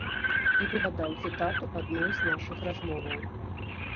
І прыгадаў цытату адной з нашых размоваў.